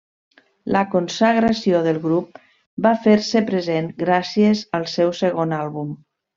La consagració del grup va fer-se present gràcies al seu segon àlbum.